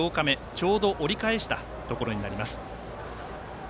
ちょうど折り返したところになります。